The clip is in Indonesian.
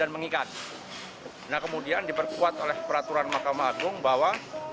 menyebut oleh peraturan mahkamah agung bahwa